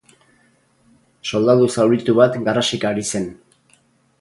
Soldadu zauritu bat garrasika ari zen.